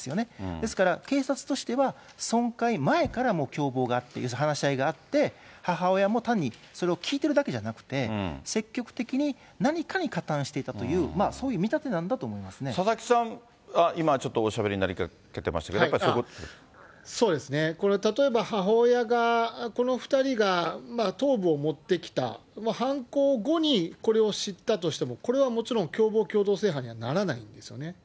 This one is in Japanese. ですから警察としては、損壊前からもう共謀があって、要するに話し合いがあって、母親も単にそれを聞いてるだけじゃなくて、積極的に何かに加担していたという、そういう見立てなんだと思い佐々木さん、今、ちょっとおしゃべりになりかけてましたけど、やっぱりそういうこそうですね、これ、例えば母親が、この２人が頭部を持ってきた、犯行後にこれを知ったとしても、これはもちろん、共謀共同正犯にはならないんですね。